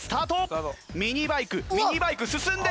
ミニバイクミニバイク進んでいく！